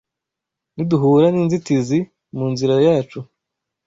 Niduhura n’inzitizi mu nzira yacu